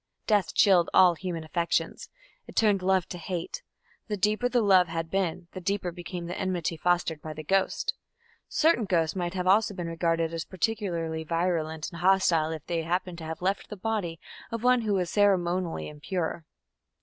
Death chilled all human affections; it turned love to hate; the deeper the love had been, the deeper became the enmity fostered by the ghost. Certain ghosts might also be regarded as particularly virulent and hostile if they happened to have left the body of one who was ceremonially impure.